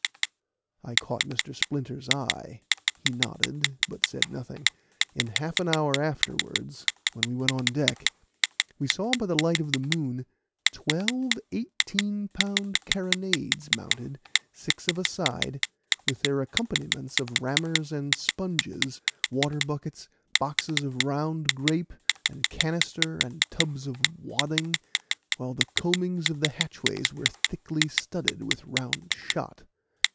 I caught Mr. Splinter's eye he nodded, but said nothing. In half an hour afterwards, when we went on deck, we saw by the light of the moon twelve eighteen pound carronades mounted, six of a side, with their accompaniments of rammers and sponges, water buckets, boxes of round, grape, and canister, and tubs of wadding, while the coamings of the hatchways were thickly studded with round shot.